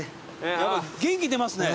元気出ますね。